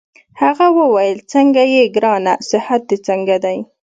هغه وویل: څنګه يې ګرانه؟ صحت دي څنګه دی؟